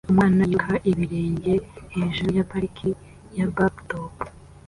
Umwana yiruka ibirenge hejuru ya parikingi ya blacktop